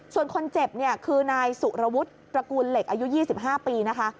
ส่วนคนเจ็บเนี่ยคือนายสุรวุฒิตระกูลเหล็กอายุ๒๕ปีนะคะ